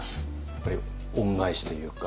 やっぱり恩返しというか。